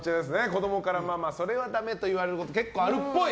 子供からママそれはダメと言われること結構あるっぽい。